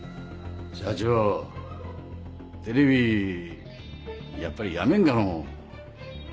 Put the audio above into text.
社長テレビやっぱりやめんかのう。